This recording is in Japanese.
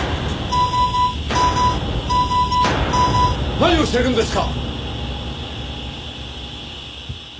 何をしているんですか！？